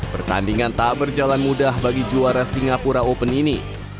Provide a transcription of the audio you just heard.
pertandingan tak berjalan mudah bagi juara singapura open ini